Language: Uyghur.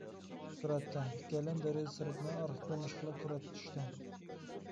سۈرەتتە: ئىككىيلەن دېرىزە سىرتىنى ئارقا كۆرۈنۈش قىلىپ سۈرەتكە چۈشتى.